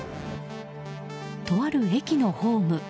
とある駅のホーム。